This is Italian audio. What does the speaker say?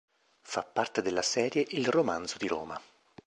Fa parte della serie "Il Romanzo di Roma".